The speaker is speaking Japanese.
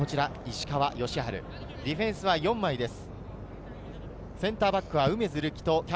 ディフェンスは４枚です。